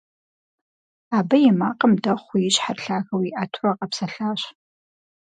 Абы и макъым дэхъуу и щхьэр лъагэу иӀэтурэ къэпсэлъащ.